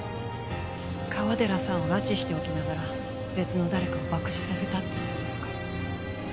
川寺さんを拉致しておきながら別の誰かを爆死させたって事ですか？